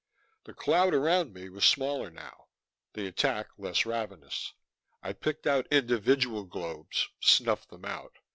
The cloud around me was smaller now, the attack less ravenous. I picked out individual globes, snuffed them out.